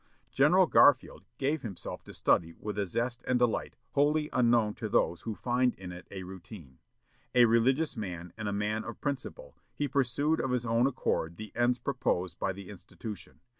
General Garfield gave himself to study with a zest and delight wholly unknown to those who find in it a routine. A religious man and a man of principle, he pursued of his own accord the ends proposed by the institution.